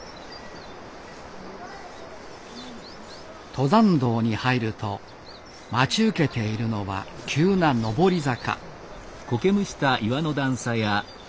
登山道に入ると待ち受けているのは急な上り坂。